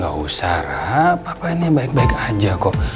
gak usah rah papa ini baik baik aja kok